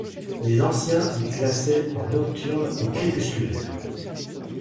Les anciens les classaient en Nocturnes et Crépusculaires.